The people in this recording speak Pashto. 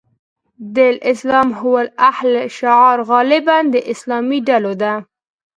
د الاسلام هو الحل شعار غالباً د اسلامي ډلو ده.